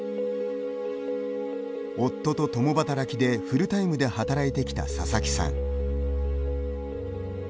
夫と共働きで、フルタイムで働いてきた佐々木さん。